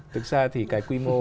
thực ra thì cái quy mô